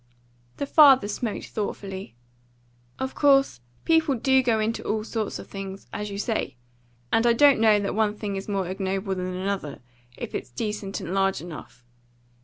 The father smoked thoughtfully. "Of course people do go into all sorts of things, as you say, and I don't know that one thing is more ignoble than another, if it's decent and large enough.